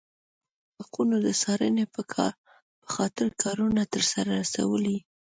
د بشر د حقونو د څارنې په خاطر کارونه سرته رسولي.